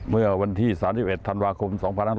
เมื่อวันที่๓๑ธันวาคม๒๕๖๒